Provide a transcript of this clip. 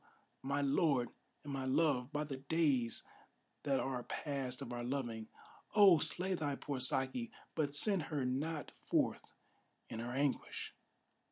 my lord and my love, by the days that are past of our loving, Oh! slay thy poor Saki, but send her not forth in her anguish!